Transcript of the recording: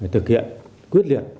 thực hiện quyết liện